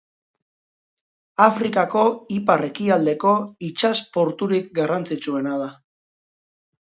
Afrikako ipar-ekialdeko itsas-porturik garrantzitsuena da.